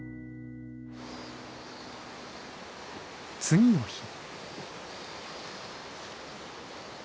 次の日。